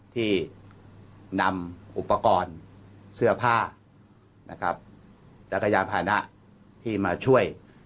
ที่นำอุปกรณ์เสื้อผ้านะครับแล้วก็ยานพานะที่มาช่วย